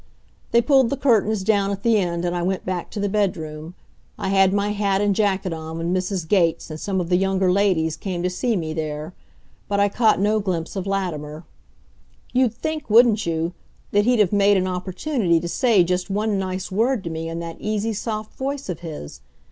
They pulled the curtains down at the end and I went back to the bedroom. I had my hat and jacket on when Mrs. Gates and some of the younger ladies came to see me there, but I caught no glimpse of Latimer. You'd think wouldn't you that he'd have made an opportunity to say just one nice word to me in that easy, soft voice of his?